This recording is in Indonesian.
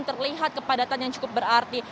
terlihat kepadatan yang cukup berarti